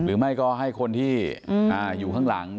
หรือไม่ก็ให้คนที่อยู่ข้างหลัง